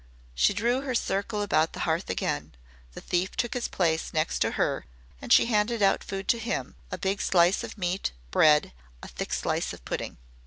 She drew her circle about the hearth again. The thief took the place next to her and she handed out food to him a big slice of meat, bread, a thick slice of pudding.